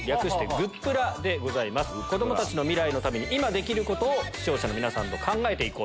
子供たちの未来のために今できることを視聴者の皆さんと考えていこうと。